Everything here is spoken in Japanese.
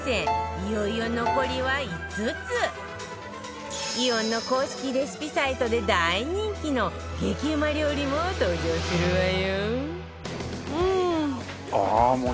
いよいよ、残りは５つイオンの公式レシピサイトで大人気の激うま料理も登場するわよ